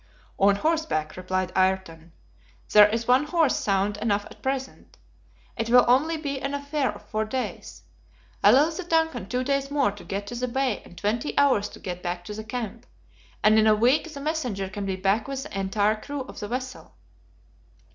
"On horseback," replied Ayrton. "There is one horse sound enough at present. It will only be an affair of four days. Allow the DUNCAN two days more to get to the bay and twenty hours to get back to the camp, and in a week the messenger can be back with the entire crew of the vessel."